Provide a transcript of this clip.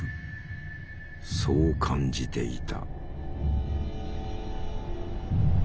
そう感じていた。